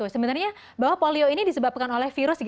sebenarnya bahwa polio ini disebabkan oleh virus